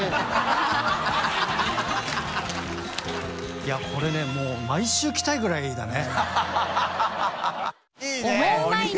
いやこれねもう毎週来たいぐらいだね。